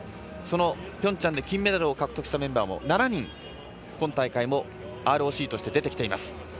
そのピョンチャンで金メダルを獲得したメンバーも７人、今大会もＲＯＣとして出てきています。